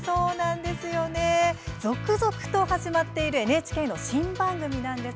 続々と始まっているＮＨＫの新番組。